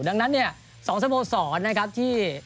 ดังนั้นสองสมสอนนะครับที่